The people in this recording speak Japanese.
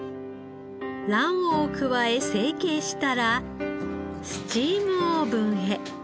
卵黄を加え成形したらスチームオーブンへ。